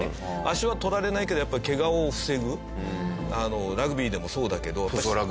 足はとられないけどやっぱりけがを防ぐラグビーでもそうだけど。